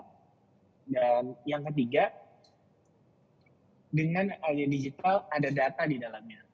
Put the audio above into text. dan yang ketiga dengan adanya digital ada data di dalamnya